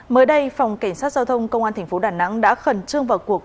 mới đây phòng cảnh sát giao thông công an tp đà nẵng đã khẩn trương vào cuộc